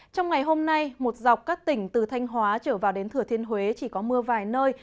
trong ngày hôm nay một dọc các tỉnh từ thanh hóa trở vào đến thừa thiên huế chỉ có mưa vài nơi